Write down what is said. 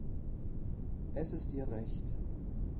Es ist Ihr Recht.